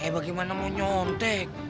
eh bagaimana mau nyontek